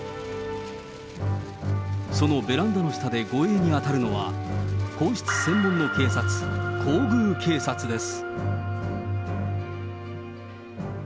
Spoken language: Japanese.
そのベランダの下で護衛に当たるのは、皇室専門の警察、皇宮警察です。